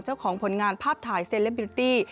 เจ้าของผลงานภาพถ่ายเซลล์เบิลตี้